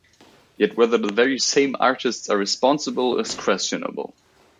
Yet whether the very same artists are responsible is questionable.